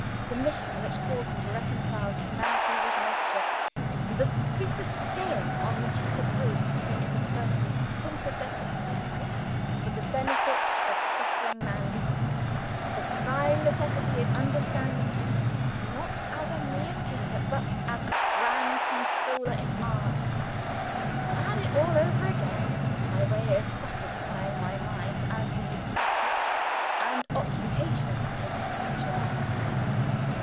The mission which called him to reconcile Humanity with Nature; the superb scale on which he proposed to interpret sympathetic scenery for the benefit of suffering mankind; the prime necessity of understanding him, not as a mere painter, but as Grand Consoler in Art I had it all over again, by way of satisfying my mind as to his prospects and occupations in his future life.